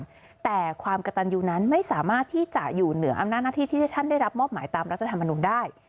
แต่ความกระตันยูนั้นไม่สามารถที่จะอยู่เหนืออำนาจหน้าที่ที่ท่านได้รับมอบหมายตามรัฐธรรมนุนได้